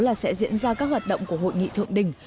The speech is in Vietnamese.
là sẽ diễn ra các hoạt động của hội nghị thượng đỉnh